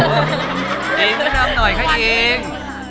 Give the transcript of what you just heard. อิ่งพี่น้ำหน่อยค่ะอิ่ง